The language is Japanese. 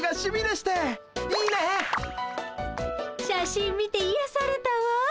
写真見ていやされたわ。